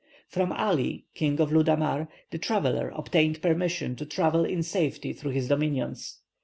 From Ali, King of Ludamar, the traveller obtained permission to travel in safety through his dominions.